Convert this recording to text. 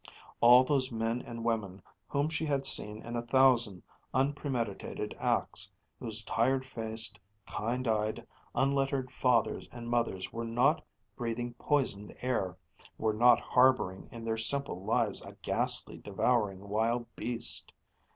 All those men and women whom she had seen in a thousand unpremeditated acts, those tired faced, kind eyed, unlettered fathers and mothers were not breathing poisoned air, were not harboring in their simple lives a ghastly devouring wild beast.